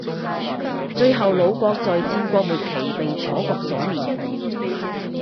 最后鲁国在战国末期被楚国所灭。